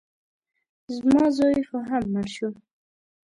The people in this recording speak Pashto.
زما زوی خو هم مړ شو.